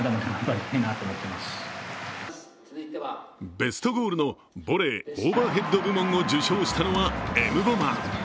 ベストゴールのボレー／オーバーヘッド部門を受賞したのはエムボマ。